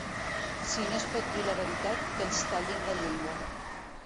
Si no es pot dir la veritat, que ens tallin la llengua.